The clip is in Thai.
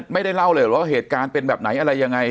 ไม่ได้เล่าเลยว่าเหตุการณ์เป็นแบบไหนอะไรยังไง